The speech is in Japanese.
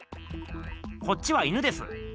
こっちは犬です。